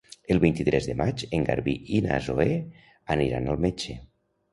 El vint-i-tres de maig en Garbí i na Zoè aniran al metge.